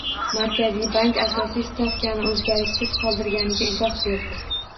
Markaziy bank asosiy stavkani o‘zgarishsiz qoldirganiga izoh berdi